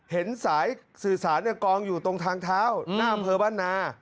เห็นสายสื่อสารกองอยู่ตรงทางเท้าหน้าอำเภอบ้านนา